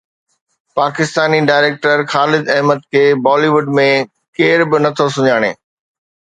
Pakistani director Khalid Ahmed کي Bollywood ۾ ڪير به نٿو سڃاڻي